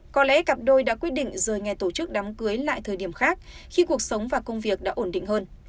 có lẽ cặp đôi đã quyết định rời nhà tổ chức đám cưới lại thời điểm khác khi cuộc sống và công việc đã ổn định hơn